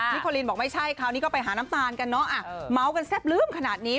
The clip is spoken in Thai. โคลินบอกไม่ใช่คราวนี้ก็ไปหาน้ำตาลกันเนอะเมาส์กันแซ่บลื้มขนาดนี้